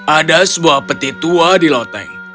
ada sebuah peti tua di loteng